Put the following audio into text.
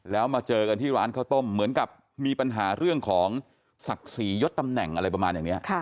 แล้วมาเจอกันที่ร้านข้าวต้มเหมือนกับมีปัญหาเรื่องของศักดิ์ศรียดตำแหน่งอะไรประมาณอย่างนี้